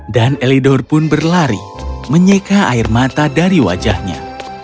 dan elidor pun berlari menyeka air mata dari wajahnya